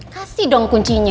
kasih dong kuncinya